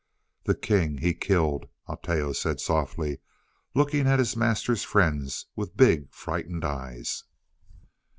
"The king he killed," Oteo said softly, looking at his master's friends with big, frightened eyes.